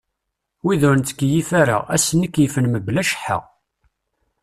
Wid ur nettkeyyif ara, ass-nni keyyfen mebla cceḥḥa.